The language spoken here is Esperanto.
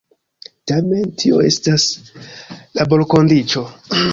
Tamen tio estas laborkondiĉo.